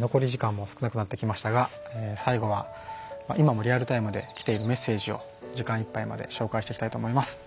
残り時間も少なくなってきましたが最後は今もリアルタイムで来ているメッセージを時間いっぱいまで紹介していきたいと思います。